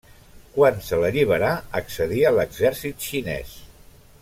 Quan se l'alliberà, accedí a l'exèrcit xinès.